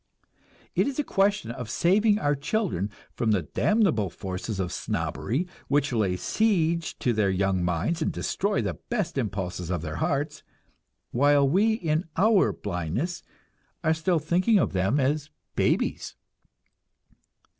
It is a question of saving our children from the damnable forces of snobbery, which lay siege to their young minds and destroy the best impulses of their hearts, while we in our blindness are still thinking of them as babies.